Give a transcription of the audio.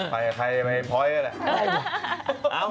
ไปกับใครไปพลอยก็ได้